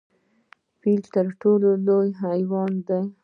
فیل تر ټولو لوی حیوان دی؟